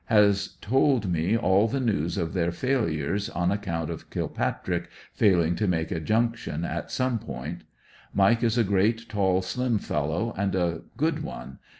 Has told me all the news of their failure on account of Kilpatrick failing to make a junction at some point, Mike is a great tall, slim fellow, and a good one.